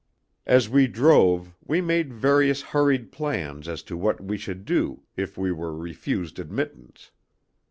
As we drove we made various hurried plans as to what we should do if we were refused admittance.